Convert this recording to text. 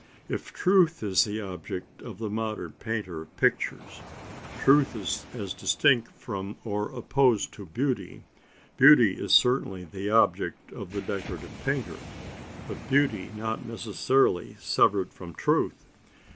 If truth is the object of the modern painter of pictures truth as distinct from or opposed to beauty beauty is certainly the object of the decorative painter, but beauty not necessarily severed from truth.